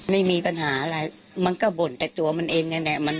ไม่มีปัญหาอะไรมันก็บ่นแต่ตัวมันเองนั่นแหละ